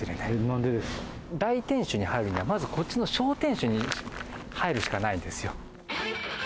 原さん：大天守に入るにはまず、こっちの小天守に入るしかないんですよ。